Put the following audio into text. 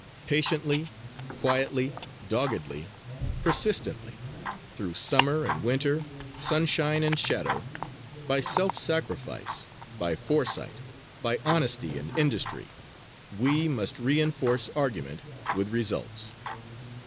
Patiently, quietly, doggedly, persistently, through summer and winter, sunshine and shadow, by self sacrifice, by foresight, by honesty and industry, we must re enforce argument with results.